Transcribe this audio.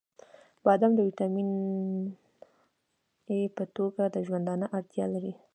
• بادام د ویټامین ای په توګه د ژوندانه اړتیا لري.